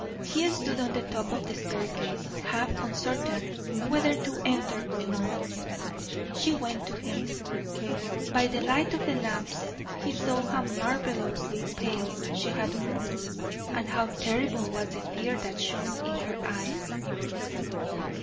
He stood on the top of the staircase, half uncertain whether to enter or not. She went to him. By the light of the lamps he saw how marvelously pale she had grown; and how terrible was the fear that shone in her eyes.